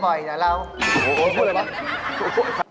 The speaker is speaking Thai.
โอ้โฮพูดอะไรนะ